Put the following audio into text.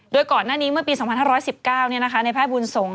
โดยก่อนนานนี้เมื่อปี๒๕๑๙ในภายบุงทรง